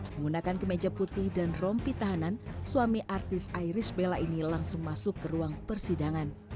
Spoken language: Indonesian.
menggunakan kemeja putih dan rompi tahanan suami artis iris bella ini langsung masuk ke ruang persidangan